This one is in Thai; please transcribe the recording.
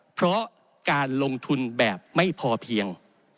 เพราะการลงทุนแบบไม่พอเพียง